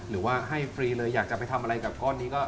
หรือว่าให้ฟรีเลยอยากจะไปทำอะไรกับก้อนนี้ก็